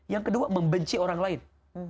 yang kedua membenci orang lain